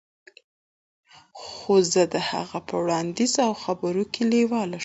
خو زه د هغه په وړاندیز او خبرو کې لیواله شوم